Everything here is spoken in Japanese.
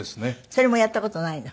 それもやった事ないの？